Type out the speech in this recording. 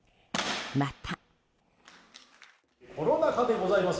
また。